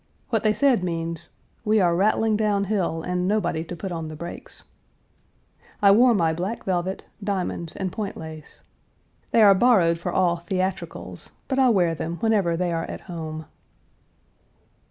What they said means "We are rattling down hill, and nobody to put on the brakes." I wore my black velvet, diamonds, and point lace. They are borrowed for all "theatricals," but I wear them whenever they are at home.